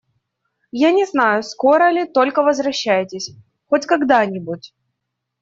Я не знаю, скоро ли, Только возвращайтесь… хоть когда-нибудь.